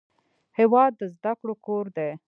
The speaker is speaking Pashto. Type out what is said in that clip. هېواد د زده کړو کور دی.